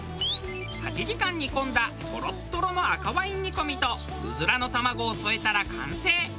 ８時間煮込んだトロットロの赤ワイン煮込みとウズラの卵を添えたら完成。